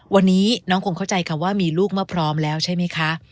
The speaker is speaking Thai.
วันนี้น้องคงเข้าใจคำว่ามีลูกเมื่อพร้อมแล้วใช่ไหมคะ